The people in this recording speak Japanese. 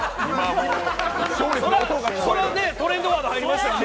それね、トレンドワード入りましたよね！